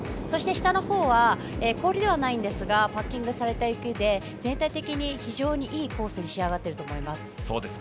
そして下のほうは氷ではないですがパッキングされている雪で全体的に非常にいいコースに仕上がっていると思います。